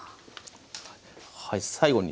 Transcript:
はい。